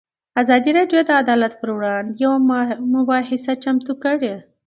ازادي راډیو د عدالت پر وړاندې یوه مباحثه چمتو کړې.